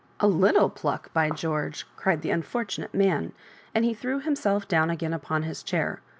"A Utile pluck, by George!" cried the un fortunate man, and he threw himself down again upon his chair.